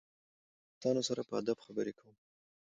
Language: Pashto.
زه له دوستانو سره په ادب خبري کوم.